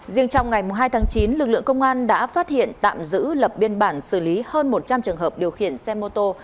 riêng trong ngày hai tháng chín lực lượng công an đã phát hiện tạm giữ lập biên bản xử lý hơn một trăm linh trường hợp điều khiển xe mô tô